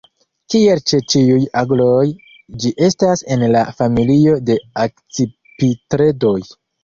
Kiel ĉe ĉiuj agloj, ĝi estas en la familio de Akcipitredoj.